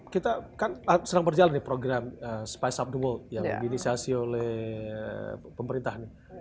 kita kan serang berjalan program spice up the world yang diminisiasi oleh pemerintah